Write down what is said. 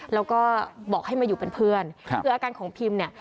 แล้วก็บอกให้มาอยู่เป็นเพื่อนครับคืออาการของพิมเนี่ย